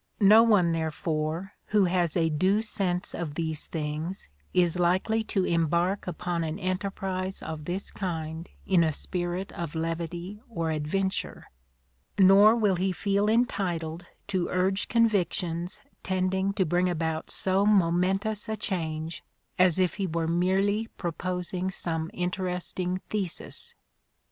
No one, therefore, who has a due sense of these things is likely to embark upon an enterprise of this kind in a spirit of levity or adventure ; nor will he feel entitled to urge convictions tending to bring about so momentous a change as if he were merely proposing some interesting thesis.